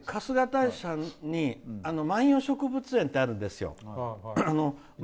春日大社に萬葉植物園ってあるんですよ。